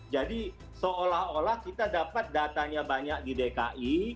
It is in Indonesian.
jadi seolah olah kita dapat datanya banyak di dki